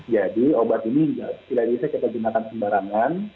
jadi obat ini tidak bisa kita gunakan sembarangan